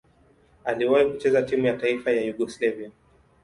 Aliwahi kucheza timu ya taifa ya Yugoslavia.